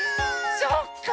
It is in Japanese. そっか。